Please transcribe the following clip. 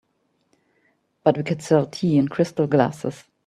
But we could sell tea in crystal glasses.